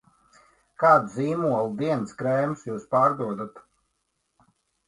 Kādu zīmolu dienas krēmus jūs pārdodat?